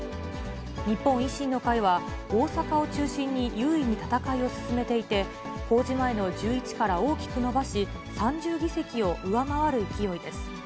日本維新の会は、大阪を中心に優位に戦いを進めていて、公示前の１１から大きく伸ばし、３０議席を上回る勢いです。